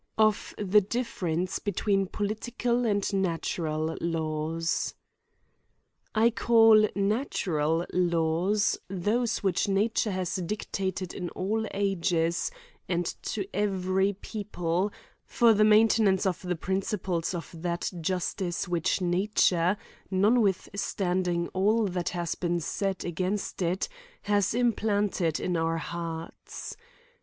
Of the difference between political and natural laxvs. I CALL natural laws, those which nature has ^^ dictated in all ages, and to every people, for the maintenance of the principles of that Justice which nature, notwithstanding all that has been said against it, has implanted in our hearts.